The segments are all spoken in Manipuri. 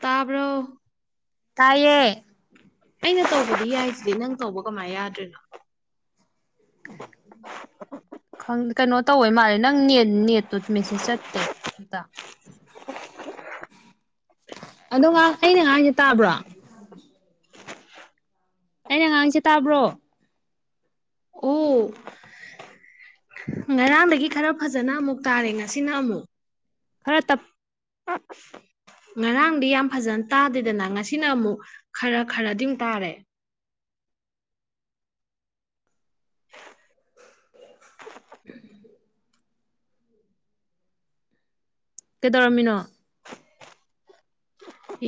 ꯇꯕꯔ‌ꯣ ꯇꯌꯦ ꯑꯩꯅ ꯇꯧꯕꯗꯤ ꯌꯥꯏꯁꯤꯗꯤ ꯅꯪ ꯇꯧꯕ ꯀꯃꯥꯏ ꯌꯥꯗ꯭ꯔꯤꯅꯣ [inaudible] ꯀꯩꯅꯣ ꯇꯧꯋ ꯃꯥꯜꯂꯦ ꯅꯪ ꯅ ꯅꯦꯠꯇꯨ ꯃꯦꯁꯦꯖ ꯆꯠꯇꯦ ꯑꯝꯇ [inaudible] ꯑꯗꯣ ꯉꯥꯏꯍꯥꯛ ꯑꯩꯅ ꯉꯥꯏꯍꯅ ꯇꯥꯕ꯭ꯔꯣ ꯑꯩꯅ ꯑꯉꯥꯡꯁꯦ ꯇꯥꯕ꯭ꯔꯣ ꯎ ꯉꯔꯥꯡꯗꯒꯤ ꯈꯔ ꯐꯖꯅ ꯑꯃꯨꯛ ꯇꯥꯔꯦ ꯉꯁꯤꯅ ꯑꯃꯨꯛ ꯈꯔ ꯇꯞ ꯑ ꯉꯔꯥꯡꯗꯤ ꯌꯥꯝ ꯐꯖꯅ ꯇꯥꯗꯦꯗꯅ ꯉꯁꯤꯅ ꯑꯃꯨꯛ ꯈꯔ ꯈꯔꯗꯤꯝ ꯇꯥꯔꯦ [inaudible] [inaudible] ꯀꯩꯗꯧꯔꯝꯃꯤꯅꯣ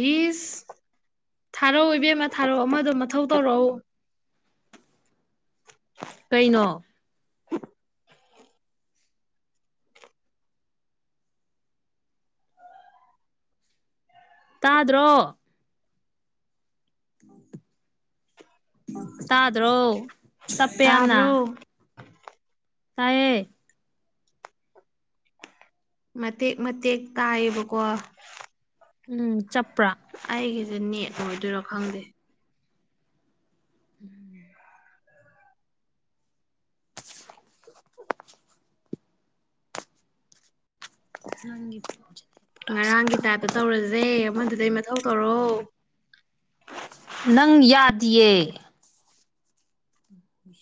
ꯏꯁ ꯊꯥꯔꯣ ꯑꯣꯏꯕꯦꯝꯃ ꯊꯥꯔꯣ ꯑꯃꯗꯣ ꯃꯊꯧ ꯇꯧꯔꯛꯎ ꯀꯩꯅꯣ ꯇꯥꯗ꯭ꯔꯣ ꯇꯥꯗ꯭ꯔꯣ ꯆꯞꯄꯦ ꯌꯥꯝꯅ ꯇꯥꯕ꯭ꯔꯣ ꯇꯔꯌꯦ ꯃꯇꯦꯛ ꯃꯇꯦꯛ ꯇꯥꯏꯌꯦꯕꯀꯣ ꯎꯝ ꯆꯞꯄ꯭ꯔꯥ ꯑꯩꯒꯤꯁꯦ ꯅꯦꯛꯀꯣ ꯑꯣꯏꯗꯣꯏꯔꯣ ꯈꯪꯗꯦ ꯎꯝ ꯅꯪ ꯉꯔꯥꯡꯒꯤ ꯇꯥꯏꯞꯇ ꯇꯧꯔꯁꯦ ꯑꯃꯗꯨꯗꯩ ꯃꯊꯧ ꯇꯧꯔꯣ ꯅꯪ ꯌꯥꯗꯌꯦꯦ ꯎ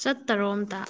ꯆꯠꯇꯔꯣ ꯑꯝꯇ